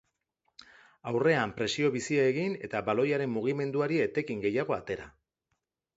Aurrean presio bizia egin eta baloiaren mugimenduari etekin gehiago atera.